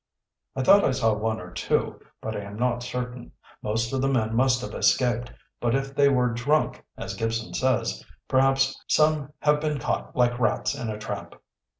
"I thought I saw one or two, but I am not certain. Most of the men must have escaped, but if they were drunk, as Gibson says, perhaps some have been caught like rats in a trap."